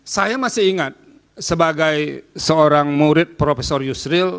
saya masih ingat sebagai seorang murid prof yusril